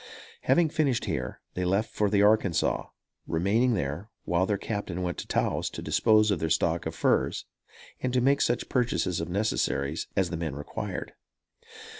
Having finished here, they left for the Arkansas, remaining there while their captain went to Taos to dispose of their stock of furs and to make such purchases of necessaries as the men required.